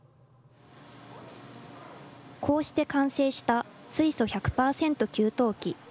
こうして完成した水素１００％給湯器。